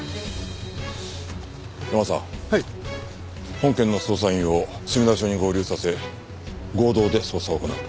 本件の捜査員を墨田署に合流させ合同で捜査を行う。